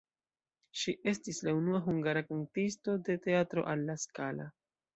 Ŝi estis la unua hungara kantisto de Teatro alla Scala.